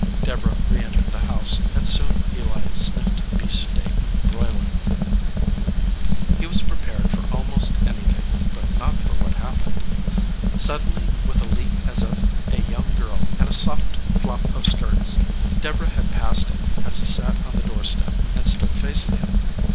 Deborah re entered the house and soon Eli sniffed beefsteak broiling. He was prepared for almost anything, but not for what happened. Suddenly, with a leap as of a young girl and a soft flop of skirts, Deborah had passed him, as he sat on the door step, and stood facing him.